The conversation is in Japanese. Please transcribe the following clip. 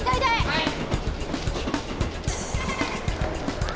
はい！